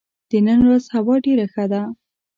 د نن ورځ هوا ډېره ښه ده.